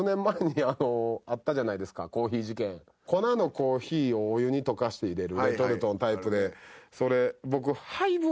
粉のコーヒーをお湯に溶かして入れるレトルトのタイプでそれ僕。